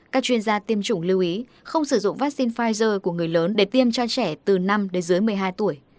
các chuyên gia tiêm chủng lưu ý không sử dụng vaccine pfizer của người lớn để tiêm cho trẻ từ năm đến dưới một mươi hai tuổi